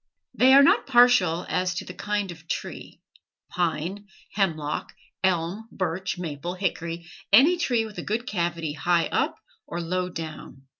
They are not partial as to the kind of tree, pine, hemlock, elm, birch, maple, hickory, any tree with a good cavity high up or low down.